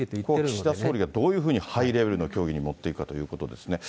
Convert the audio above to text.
ここを岸田総理がどうハイレベルの協議に持っていくかということですね。